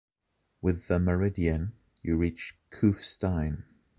With the meridian you reach Kufstein.